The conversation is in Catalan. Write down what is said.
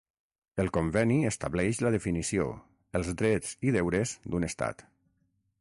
El conveni estableix la definició, els drets i deures d'un Estat.